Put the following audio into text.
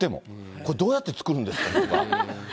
これ、どうやって作るんですか？とか。